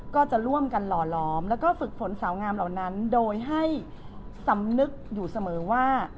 ก็จะร่วมกันหล่อล้อมแล้วก็ฝึกฝนสาวงามเหล่านั้นโดยให้สำนึกอยู่เสมอว่า